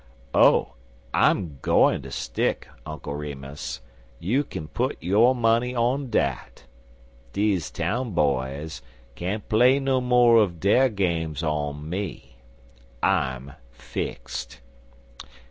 "Oh, I'm goin' to stick, Uncle Remus. You kin put your money on dat. Deze town boys can't play no more uv dere games on me. I'm fixed.